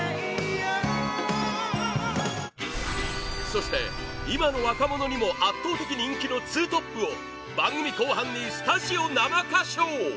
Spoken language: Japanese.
そして、今の若者にも圧倒的人気のツートップを番組後半にスタジオ生歌唱！